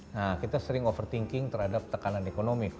nah kita sering overthinking terhadap tekanan ekonomi